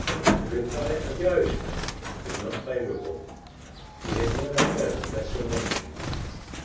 The reply of the Irishman was not favorable; he had never heard the vessel mentioned.